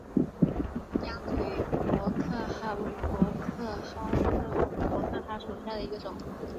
鸭嘴薄壳蛤为薄壳蛤科薄壳蛤属下的一个种。